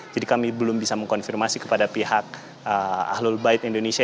jadi kami belum bisa mengkonfirmasi kepada pihak ahlul bayt indonesia